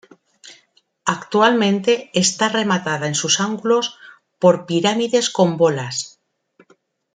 Actualmente está rematada en sus ángulos por pirámides con bolas.